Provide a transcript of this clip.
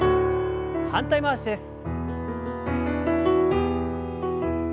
反対回しです。